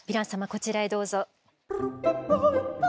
こちらへどうぞ。